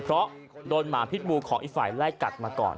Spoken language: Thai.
เพราะโดนหมาพิษบูของอีกฝ่ายไล่กัดมาก่อน